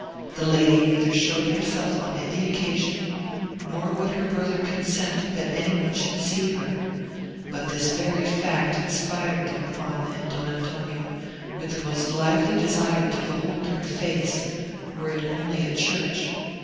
The lady neither showed herself on any occasion, nor would her brother consent that any one should see her; but this very fact inspired Don Juan and Don Antonio with the most lively desire to behold her face, were it only at church.